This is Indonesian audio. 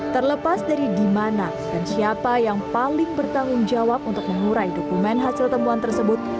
terlepas dari di mana dan siapa yang paling bertanggung jawab untuk mengurai dokumen hasil temuan tersebut